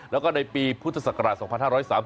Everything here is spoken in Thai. แล้วก็ในปีพุทธศักราช๒๕๓๒